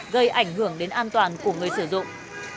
gây ảnh hưởng đến an toàn của người sử dụng